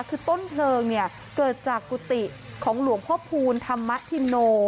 คือต้นเพลิงเนี่ยเกิดจากกุฏิของหลวงพ่อพูลธรรมธินโน